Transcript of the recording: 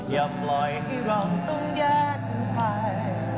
อย่าปล่อยให้เราต้องแยกกันไป